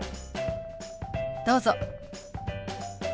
どうぞ。